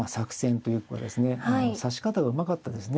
指し方がうまかったですね。